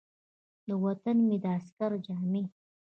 د وطن مې د عسکر جامې ،